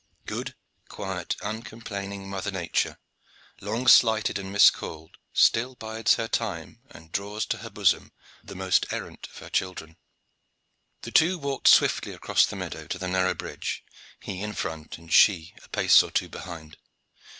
Good, quiet, uncomplaining mother Nature, long slighted and miscalled, still bides her time and draws to her bosom the most errant of her children. The two walked swiftly across the meadow to the narrow bridge, he in front and she a pace or two behind.